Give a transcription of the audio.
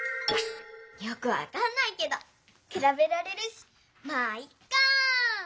よくわかんないけどくらべられるしまぁいっか！